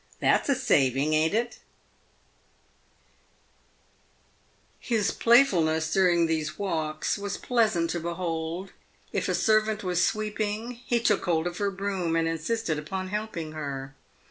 That's a saving, ain't it ?" His playfulness during these walks was pleasant to behold. If a servant was sweeping, he took hold of her broom and insisted upon helping her.